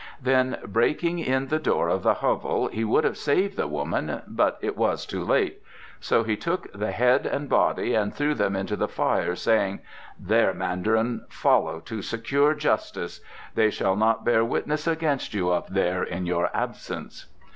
Then breaking in the door of the hovel he would have saved the woman, but it was too late, so he took the head and body and threw them into the fire, saying: "There, Mandarin, follow to secure justice. They shall not bear witness against you Up There in your absence."